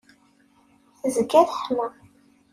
tezga teḥma.